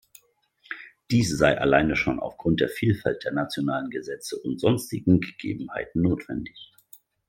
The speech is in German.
Dies sei alleine schon aufgrund der Vielfalt der nationalen Gesetze und sonstigen Gegebenheiten notwendig.